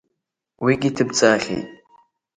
Уигьы ҭыбҵаахьеит…